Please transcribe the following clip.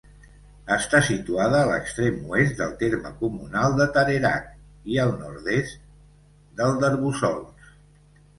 Està situada a l'extrem oest del terme comunal de Tarerac, i al nord-est del d'Arboçols.